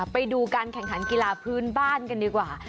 ไปดูการแข่งขันกีฬาพื้นบ้านกันดีกว่า